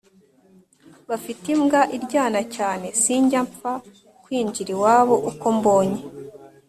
Bafite imbwa iryana cyane sinjyapfa kwinjira iwabo uko mbonye